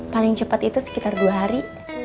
paling cepat itu sekitar dua hari